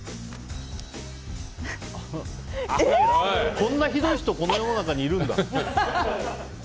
こんなひどい人この世の中にいるんだ。